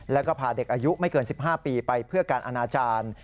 แล้วก็พาเด็กอายุไม่เกิน๑๕ปีไปเพื่อการอนาจารย์